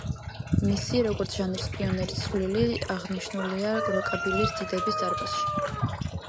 მისი, როგორც ჟანრის პიონერის, წვლილი აღნიშნულია როკაბილის დიდების დარბაზში.